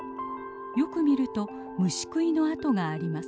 よく見ると虫食いの跡があります。